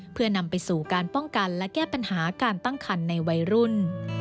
เพื่อนำไปสู่การป้องกันและแก้ปัญหาการตั้งคันในวัยรุ่น